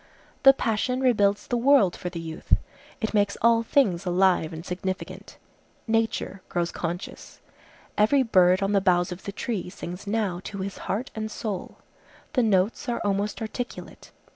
The passion rebuilds the world for the youth. It makes all things alive and significant. Nature grows conscious. Every bird on the boughs of the tree sings now to his heart and soul. The notes are almost articulate.